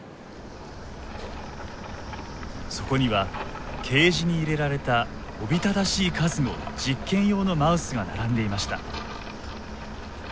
そこにはケージに入れられたおびただしい数の実験用のマウスが並んでいました。